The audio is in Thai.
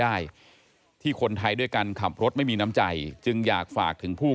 ได้ที่คนไทยด้วยกันขับรถไม่มีน้ำใจจึงอยากฝากถึงผู้